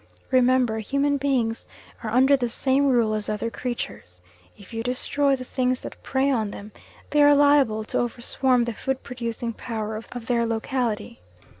Remember human beings are under the same rule as other creatures; if you destroy the things that prey on them, they are liable to overswarm the food producing power of their locality.